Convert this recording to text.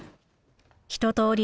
一とおり